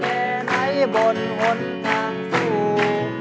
แต่ไหนบนหนทางสู่